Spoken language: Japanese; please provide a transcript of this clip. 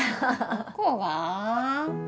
どこが？